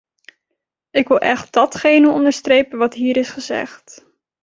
Ik wil echt datgene onderstrepen wat hier is gezegd.